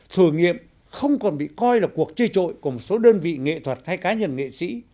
thử nghiệm không còn bị coi là cuộc chê trội của một số đơn vị nghệ thuật hay cá nhân nghệ sĩ